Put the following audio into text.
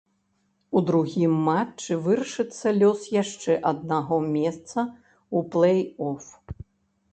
У другім матчы вырашыцца лёс яшчэ аднаго месца ў плэй-оф.